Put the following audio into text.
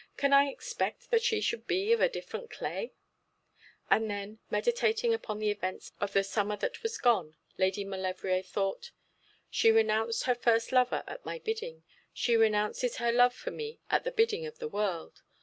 Can I expect that she should be of a different clay?' And then, meditating upon the events of the summer that was gone, Lady Maulevrier thought She renounced her first lover at my bidding; she renounces her love for me at the bidding of the world.